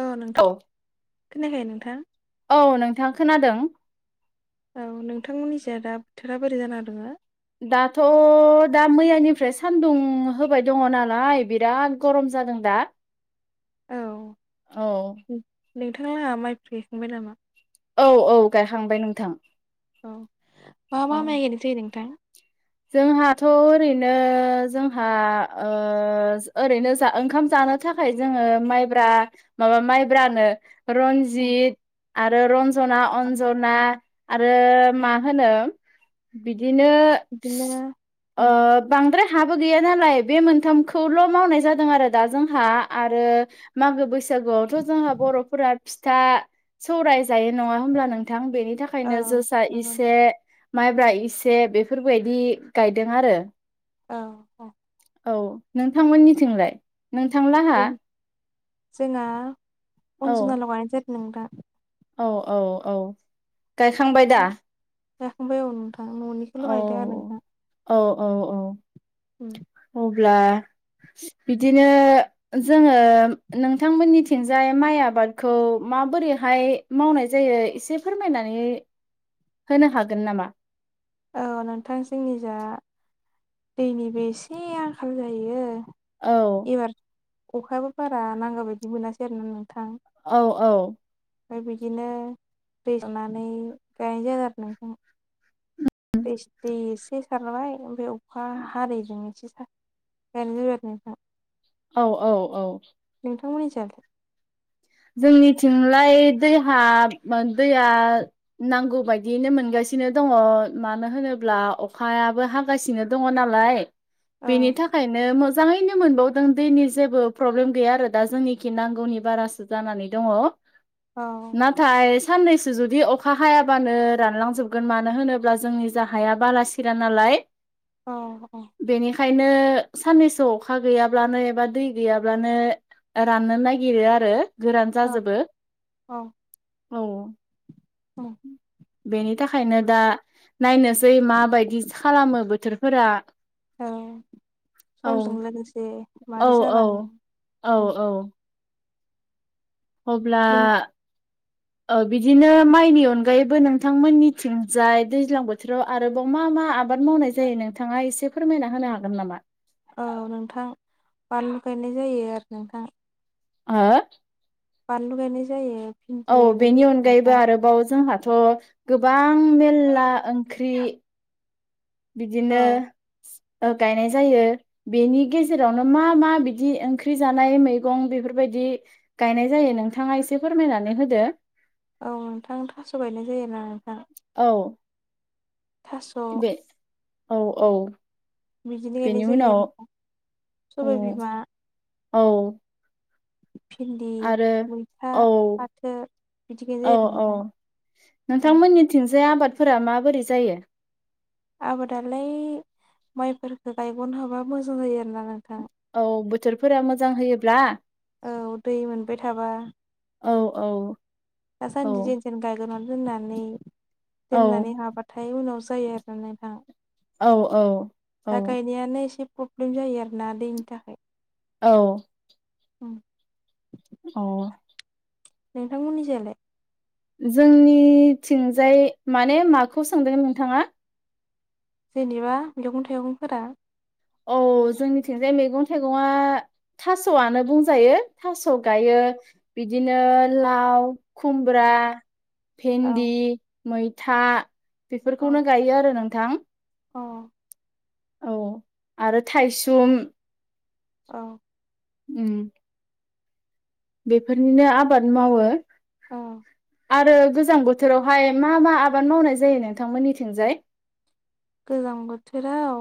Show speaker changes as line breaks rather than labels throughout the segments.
औ नोंथां खोनायाखै नोंथां
औ नोंथां खोनादों
औ नोंथांमोननिखिजाय दा बोथोरा बोरै जाना दङो?
दाथ' दा मैयानिफ्राय सान्दुं होबाय दङ' नालाय बिराद गरम जादों दा
औ
औ
नोंथांलाहा माइ फोर गायखांबाय नामा
औ औ गायखांबाय नोंथां
औ मा मा माइ गायनाय जायो नोंथां
जोंहाथ' ओरैनो जोंहा ओ ओरैनो ओंखाम जानो थाखाय जोङो माइब्रा माबा माइब्रानो रन्जित आरो रन्जना अन्जना आरो मा होनो बिदिनो
बिदिनो
ओ बांद्राय हाबो गैया नालाय बे मोनथामखौल' मावनाय जादों आरो दा जोंहा आरो मागो बैसागोआवथ' जोंहा बर'फोरा फिथा सौराय जायो नङा होमब्ला नोंथां बेनि थाखाय
औ
ओंखायनो जोसा
नंगौ
इसे माइब्रा इसे बेफोरबायदि गायदों आरो
औ
औ नोंथांमोननिथिंलाय नोंथांलाहा
जों जोंहा
औ
अनजनाल गायनाय जादों नोंथां
औ औ औ गायखांबाय दा
गायखांबाय औ नोंथां न'नि
औ औ औ औ
उम
अब्ला बिदिनो जोङो नोंथांमोननिथिंजाय माइ आबादखौ माबोरैहाय मावनाय जायो एसे फोरमायनानै होनो हागोन नामा?
औ नोंथां जोंनि जा दैनिबो एसे आंखाल जायो
औ
एबार अखायाबो बारा नांगौ बायदि मोनासै आरो ना नोंथां
औ औ
ओमफ्राय बिदिनो दै राननानै गायनाय जायाखै आरो नोंथां देस दैस एसे सारबाय ओमफ्राय अखा हादैजों एसे गायनाय जाबाय आरो नोंथां
औ औ औ
नोंथांमोननि थिं जालाय
जोंनिथिंलाय दैहा दैया नांगौ बायदियैनो मोनगासिनो दङ' मानो होनोब्ला अखायाबो हा- गासिनो दङ' नालाय
औ
बेनि थाखायनो मोजाङैनो मोनबावदों दैनि जेबो प्रब्लेम गैया आरो दा जोंनिखि नांगौनि बारासो जानानै दङ'
औ
नाथाय साननैसो जुदि अखा हायाबानो रानलांजोबगोन मानो होनोब्ला जोंनि जा हाया बालासिया नालाय
अ उम
बेनिखायनो साननैसो अखा गैयाब्लानो एबा दै गैयाब्लानो राननो नागिरो आरो गोरान
औ
जाजोबो
औ
औ बेनि थाखायनो दा नायनो जै माबायदि खालामो बोथोरफोरा
औ
औ
समजों लोगोसे
औ
मारै
औ
जालाङो
औ औ अब्ला
[inaudible]
औ बिदिनो माइनि अनगायैबो नोंथांमोननिथिंजाय दैज्लां बोथोराव आरोबाव मा मा आबाद मावनाय जायो नोंथाङा एसे फोरमायना होनो हागोन नामा
औ नोंथां बानलु गायनाय जायो आरो नोंथां
हो
बानलु गायनाय जायो
औ
भिन्दि गायनाय
बेनि
जायो
अनगायैबो
नोंथां
आरोबाव जोंहाथ' गोबां मेरला ओंख्रि बिदिनो
औ
गायनाय जायो बेनि गेजेरावनो मा मा बिदि ओंख्रि जानाय मैगं बेफोरबायदि गायनाय जायो नोंथाङा एसे फोरमायनानै होदो
औ नोंथां थास' गायनाय जायोना नोंथां
औ
थास'
बे औ औ
बिदिनो
बेनि
गायनाय जायो
उनाव
आरो सबाय
औ
बिमा
औ
भिन्दि
आरो
मैथा
औ
फाथो बिदि
औ
गायनायय जायो आरो
औ
नोंथां
नोंथांमोननिथिंजाय आबादफोरा माबोरै जायो
आबादालाय माइफोरखो गायगनो हाबा मोजां जायो आरोना नोंथां
औ बोथोरफोरा मोजां होयोब्ला
औ दै मोनबाय थाबा
औ औ औ
दासानदि जेनथेन गायग्रोनानै दोननानै
औ
दोननानै हाबा हाथाय उनाव जायो आरोना नोंथां
औ औ औ
दा गायनायानो एसे प्रब्लेम जायो आरोना दैनि थाखाय
औ अ
नोंथांमोननि जायलाय?
जोंनिथिंजाय माने माखौ सोंदों नोंथाङा?
जेनेबा मैगं थाइगंफोरा
औ जोंनिथिंजाय मैगं थाइगंआ थास'आनो बुंजायो थास' गायो बिदिनो लाव खुमब्रा
औ
भिन्दि मैथा बेफोरखौनो गायो आरो नोंथां
उम
औ आरो थायसुम
औ
उम बेफोरनिनो आबाद मावो
औ
आरो गोजां बोथोरावहाय मा मा आबाद मावनाय जायो नोंथांमोननिथिंजाय
गोजां बोथोराव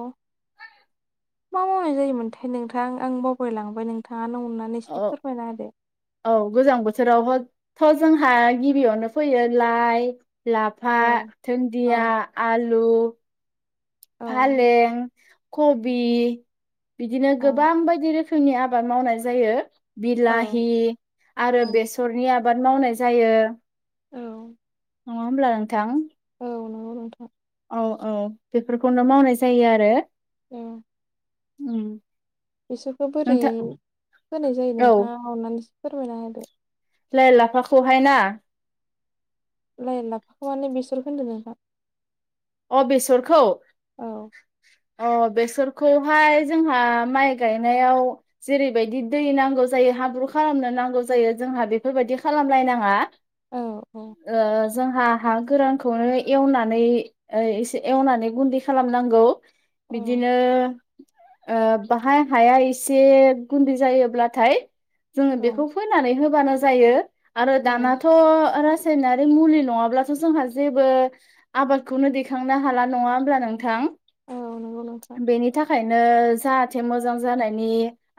मा मावनाय जायोमोनथाय नोंथां आं बावबायलांबाय नोंथाङानो अनानै एसे
अ
फोरमायना होदो
औ गोजां बोथोरावह'थ' जोंहा गिबियावनो फैयो लाइ
औ
लाफा
औ
धोनदिया आलु
औ
फालें कबि बिदिनो
औ
गोबां बायदि रोखो नि आबाद मावनाय जायो
औ
बिलाहि आरो
औ
बेस सरनि आबाद मावनाय जायो
औ
नङा होमब्ला नोंथां
औ नंगौ नोंथां
औ औ बेफोरखौनो मावनाय जायो आरो
औ
[unintelligible]
बेसरखौ बोरै
नोंथां
फोनाय जायो
औ
नोंथाङा अननानै एसे फोरमायना होदो
लाइ लाफाखौहाय ना
लाइ लाफाखौ माने बेसरखौ होनदों नोंथां
अ बेसरखौ
औ
अ बेसरखौहाय जोंहा माइ गायनायाव जेरैबायदि दै नांगौ जायो हाब्रु खालामनो नांगौ जायो जोंहा बेफोरबायदि खालामलायनाङा
औ औ
ओ जोंहा हा गोरानखौनो एवनानै ओ एसे एवनानै गुन्दि खालामनांगौ
औ
बिदिनो ओ बाहाय हाया एसे गुनदै जायोब्लाथाय जोङो
औ
बेखौ फोनानै होबानो जायो आरो
औ
दानाथ' थ' रासायनारि मुलि नङाब्लाथ' जोंहा जेबो आबाद बेखौनो दैखांनो हाला नङा होमब्ला नोंथां
औ नंगौ नोंथां
बेनि थाखायनो जाहाथे मोजां जानायनि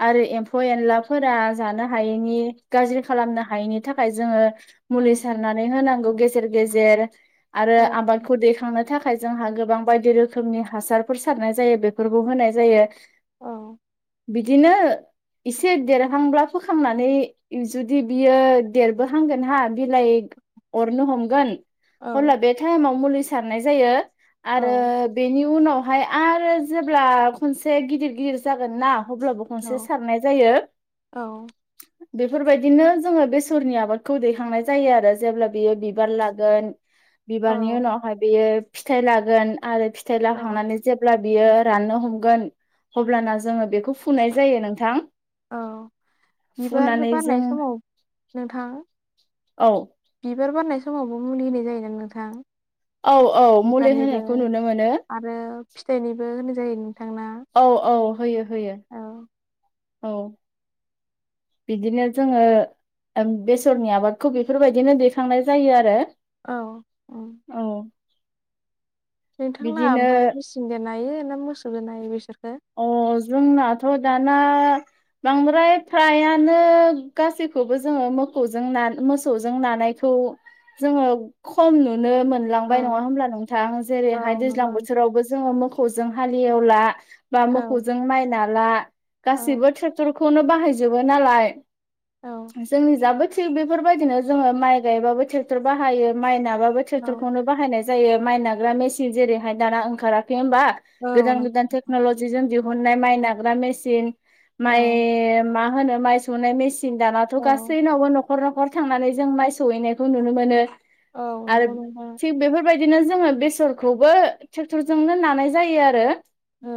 आरो एम्फौ एनलाफोरा जानो हायैनि गाज्रि खालामनो हायैनि थाखाय जोङो
औ
मुलि सारनानै होनांगौ गेजेर गेजेर आरो
औ
आबादखौ दैखां नो थाखाय जोंहा गोबां बायदि रोखोमनि हासारफोर सारनाय जायो बेफोरखौ होनाय जायो
औ
बिदिनो इसे देरहांब्ला फोखांनानै जुदि बियो देरबोहांगोन हा बिलाइ हरनो हमगोन
औ
अब्ला बे टाइमाव मुलि सारनाय जायो
औ
आरो बेनि उनावहाय आरो जेब्ला खनसे गिदिर गिदिर जागोन ना अब्ला बे खनसे सारनाय जायो
औ
बेफोरबायदिनो जोङो बेसरनि आबादखौ दैखांनाय जायो आरो जेब्ला बियो बिबार लागोन
[inaudible]
बिबारनि उनावहाय बेयो फिथाइ लागोन आरो फिथाइ
औ
लाखांनानै जेब्ला बियो राननो हमगोन अब्ला ना जोंङो बेखौ फु फुनाय जायो नोंथां।
औ बिबार
फुनानै
बारनाय
जों
समाव नोंथां
औ
बिबार बारनाय समावबो मुलि होनाय जायो ना नोंथां?
औ औ मुलि होनायखौ
बिबारनिबो
नुनो मोनो।
आरो फिथाइनिबो होनाय जायो नोंथांना?
औ औ होयो होयो
औ
औ बिदिनो जोङो बेसरनि आबादखौ बेफोरबायदिनो दैखांनाय जायो आरो।
औ औ
औ
नोंथांना
बिदिनो
ओमफ्राय मेसिनजों नायो ना मोसौजों नायो बेसरखौ
अ जोंनाथ' दाना बांद्राय फ्रायानो गासैखौबो जोङो मोखौजों मोसौजों नानाय खौ जोङो खम नुनो
औ
मोनलांबाय नङा होमब्ला नोंथां? जेरै
औ नंगौ नोंथां।
रावबो जोङो मोसौजों हालएवला बा
औ
मोसौजों माइ नाला गासैबो ट्रेक्टरखौनो बाहायजोबो नालाय
औ
जोंनि जाबो थिग बेफोरबायदिनो जोङो माइ गायबाबो ट्रेक्टर बाहायो माइ नाबो
औ
ट्रेक्टरखौनो बाहायनाय जायो माइ नाग्रा मेचिन जेरैहाय दारा ओंखाराखै ओमबा
औ
गोदान
नों
गोदान टेक्नलजि जों दिहुननाय माइ नाग्रा मेचिन
औ
माइ मा होनो माइ सौनाय मेसि न दानाथ'
औ
गासैनावबो न'खर न'खर थांनानै जों माइ सौहैनायखौ नुनो मोनो।
औ
आरो
नंगौ नोंथां
थिग बेफोरबायदिनो जोङो बेसर खौबो टेक्टरजोंनो नानाय जायो आरो
औ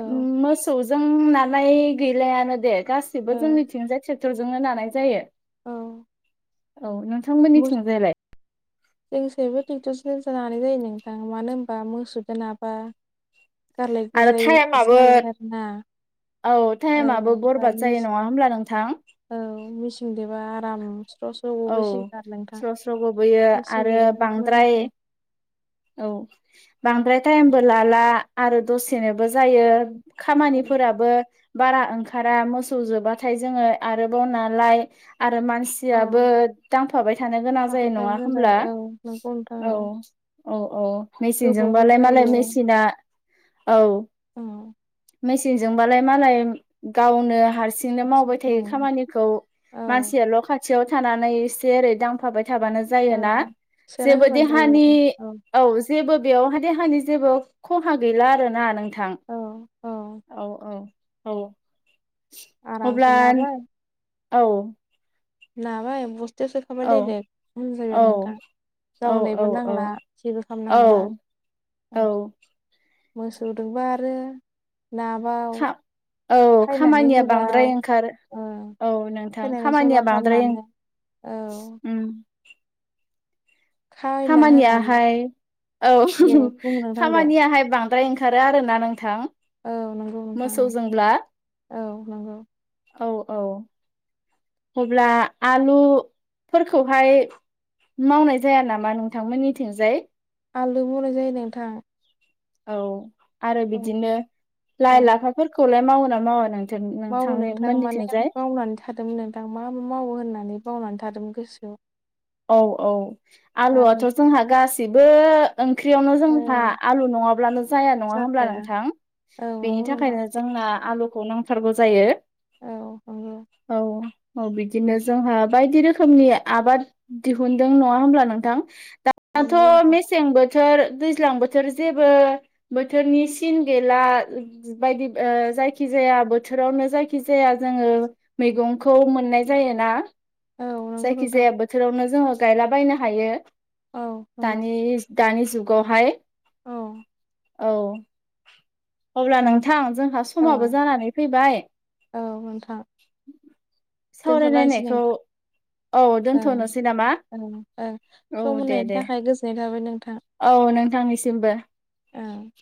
मोसौ जों नानाय गैलायानो दे गासिबो
औ
जोंनिथिंजाय ट्रेक्टरजोंनो नानाय जायो।
औ
औ नोंथांमोननिथिंजालाय?
जोंथिंबो ट्रेक्टरजों नानाय जायो नोंथां मानो होनबा मोसौदो नाबा गारलाय
आरो
गुजाय
टाइमाबो
जायो आरोना।
औ
औ
थाइमाबो
ओमफ्राय
बरबाद जायो
मिस
नङा होमब्ला नोंथां?
औ मेचिंदोबा आराम स्र' स्र'
औ
गबो सि गोन आरो नोंथां
स्र' स्र' गबोयो आरो
मिसिनजोंनो
बांद्राय
मोजांसिन
औ
औ
बांद्राय टाइमबो लाला आरो दसेनोबो जायो। खामानिफोराबो बारा ओंखारा मोसौ जोबाथाय जोङो आरोबाव नालाय आरो मान
औ
सियाबो दांफाबाय थानो गोनां जायो
जाखुन्थाया
नङा
मोजां
होनोब्ला
जायो औ नंगौ नोंथां
औ औ औ
गोबावबो
मेचिनजोंबालाय मालाय
जायो
मेसिना औ
औ
मेसिनजोंबालाय मालाय गावनो हारसिं नो
आथिं
मावबाय
औ
थायो खामानिखौ
औ
मानसियाल' खा थियाव थानानै एसे ओरै दांफाबाय थाबानो
औ
जायोना।
सोना
जेबो
होबानो जायो
देहानि
आरो
औ जेबो बेयाव देहानि जेबो ख'हा गैला आरोना नोंथां।
औ औ
औ औ औ
आरामसे
अब्ला
नाबाय
औ
नाबाय बस्थायाव सोखाबाय
औ औ
डाइरेक्ट मोजां जायो आरो नोंथां।
औ औ
जावनायबो नांला
औ
जेबो
औ
खामनांला
औ
मोसौदोंबा आरो नाबाव
खा औ
खायनानै
खामानिया बांद्राय
होबाव
ओंखारो।
ओ
औ नोंथां
खायनानै
खामानिया
जमा
बांद्राय
खालामनानै औ
ओम
खायना होनानै
खामानियाहाय औ
दे बुं नोंथां दे
खामानियाहाय बां द्राय ओंखारो आरोना नोंथां?
औ नोंगौ नोंथां
मोसौजोंब्ला
औ औ नोंगौ।
औ औ अब्ला आलुफोरखौहाय मावनाय जाया नामा नोंथांमोननिथिंजाय?
आलु मावनाय जायो नोंथां
औ आरो
औ
बिदिनो
औ
लाइ-लाफाफोरखौलाय मावोना मावा नों
मावो नोंथां माने बावनानै थादोंमोन नोंथां मा मा मावो होननानै बावनानै थादोंमोन गोसोआव
औ औ
दा
आलुआथ'
नोंथां
जोंहा गासिबो ओंख्रियावनो जोंहा
औ
आलु नङाब्लानो जाया नङा होनब्ला
जाखाया
नोंथां
औ
बेनि
नंगौ नोंथां
थाखायनो जोंना आलुखौ नांथारगौ जायो
औ नंगौ
औ औ बिदिनो जोंहा बायदि रोखोमनि आबाद दिहुनदों नङा होमब्ला नोंथां
औ
दाथ'
नंगौ नोंथां
मेसेंबो बोथोर दैज्लां बोथोर जेबो बोथोरनि सिन गैला बायदि ओ जायखिजाया बोथोरावनो जायखि जाया जोङो मैगंखौ मोननाय जायोना
औ नंगौ
जायखि
नोंथां
जाया बोथोरावनो जोङो गायलाबायनो हायो
औ नंगौ
दानि दानि जुगावहाय
औ
औ अब्ला नोंथां जोंहा सम
औ
समाबो जानानै फैबाय
औ नोंथां
सावरायलायनायखौ औ
ओ
दोनथ'नोसै नामा औ
सम
दे
होननायनि
दे
थाखाय गोजोननाय थाबाय नोंथां
औ नोंथांनिसिमबो
औ